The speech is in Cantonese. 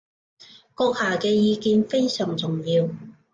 閣下嘅意見非常重要